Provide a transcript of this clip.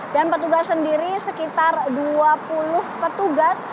dan petugas sendiri sekitar dua puluh petugas